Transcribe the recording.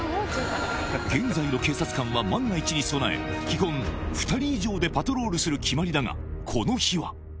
現在の警察官は万が一に備え、基本２人以上でパトロールする決まりだが、この日は。